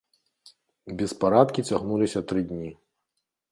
Беспарадкі цягнуліся тры дні.